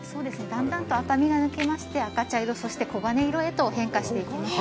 だんだんと赤みが抜けまして赤茶色そして黄金色へと変化していきます。